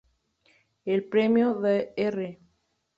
El Premio "Dr.